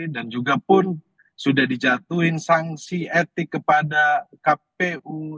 dan juga pun sudah dijatuhin sanksi etik kepada kpu